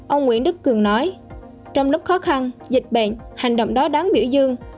ông nguyễn đức cường nói trong lúc khó khăn dịch bệnh hành động đó đáng biểu dương